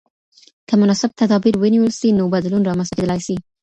که مناسب تدابیر ونیول سي، نو بدلون رامنځته کېدلای سي.